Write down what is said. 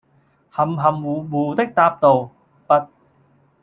含含胡胡的答道，「不……」